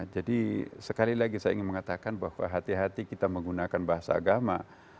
jadi sekali lagi saya ingin mengatakan bahwa hati hati kita menggunakan bahasa agama